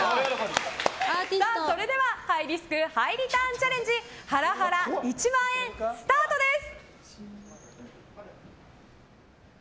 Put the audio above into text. それではハイリスク・ハイリターンチャレンジハラハラ１万円スタートです。